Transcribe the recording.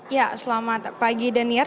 ya selamat pagi danir